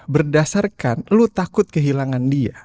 berdasarkan lu takut kehilangan dia